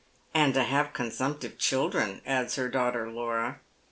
"And to have consumptive children," adds her daughter Laura.